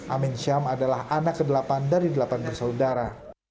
amin syam adalah anak ke delapan dari delapan bersaudara